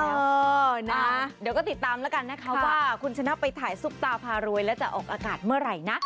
เดี๋ยวนะเดี๋ยวก็ติดตามแล้วกันนะคะว่าคุณชนะไปถ่ายซุปตาพารวยแล้วจะออกอากาศเมื่อไหร่นะ